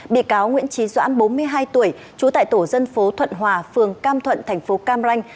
bị cáo nguyễn trí doãn bốn mươi hai tuổi trú tại tổ dân phố thuận hòa phường cam thuận thành phố cam ranh